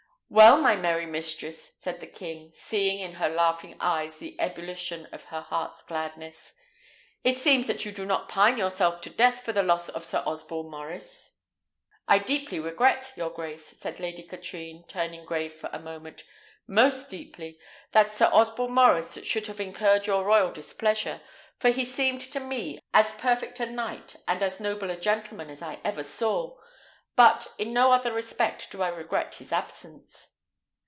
"Well, my merry mistress," said the king, seeing in her laughing eyes the ebullition of her heart's gladness; "it seems that you do not pine yourself to death for the loss of Sir Osborne Maurice?" "I deeply regret, your grace," said Lady Katrine, turning grave for a moment, "most deeply, that Sir Osborne Maurice should have incurred your royal displeasure; for he seemed to me as perfect a knight and as noble a gentleman as I ever saw. But in no other respect do I regret his absence."